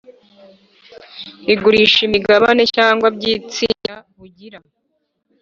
Igurisha imigabane cyangwa by itsinda bugira